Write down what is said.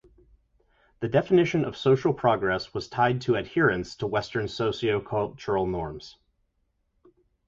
The definition of social progress was tied to adherence to Western socio-cultural norms.